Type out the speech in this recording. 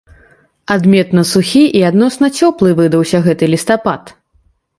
Адметна сухі і адносна цёплы выдаўся гэты лістапад.